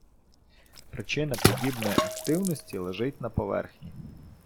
Причина подібної активності лежить на поверхні.